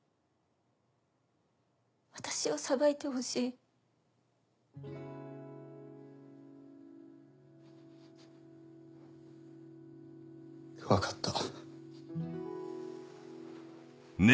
私を裁いてほしい。分かった。